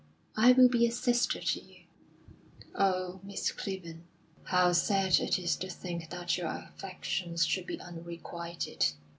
"I will be a sister to you." "Oh, Miss Clibborn, how sad it is to think that your affections should be unrequited.